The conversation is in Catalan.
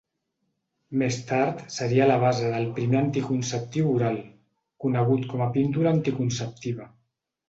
Més tard seria la base del primer anticonceptiu oral, conegut com a píndola anticonceptiva.